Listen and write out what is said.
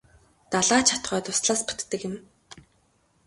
Далай ч атугай дуслаас бүтдэг юм.